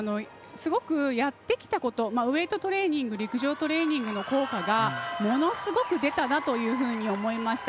すごくやってきたことウエイトトレーニング陸上トレーニングの効果が、ものすごく出たなというふうに思いました。